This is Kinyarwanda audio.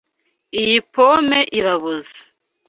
Iyi pome iraboze.